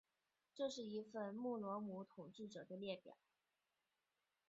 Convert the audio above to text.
这是一份穆罗姆统治者的列表。